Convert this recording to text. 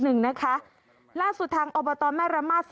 น้ำป่าเสดกิ่งไม้แม่ระมาศ